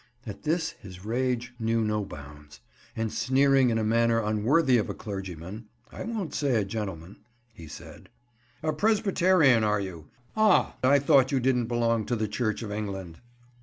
At this his rage knew no bounds, and sneering in a manner unworthy of a clergyman (I won't say a gentleman), he said— "A Presbyterian, are you? Ah, I thought you didn't belong to the Church of England!"